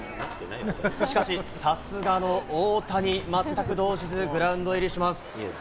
しかし、さすがの大谷、全く動じず、グラウンド入りします。